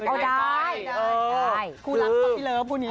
คู่รักตัวพี่เลิฟ